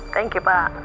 thank you pak